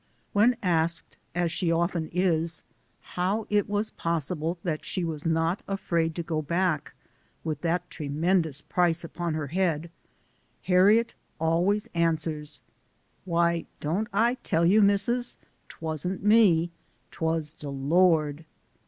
When asked, as she often is, how it was possible that she was not afraid to go back, with that tre mendous price upon her head, Harriet always an swers, " Why, don't I tell you, Missus, t'wan't me, 'twas de Lord